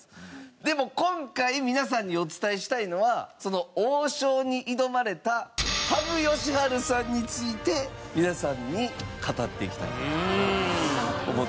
でも今回皆さんにお伝えしたいのはその王将に挑まれた羽生善治さんについて皆さんに語っていきたいなと思ってます。